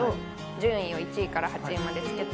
順位を１位から８位までつけて。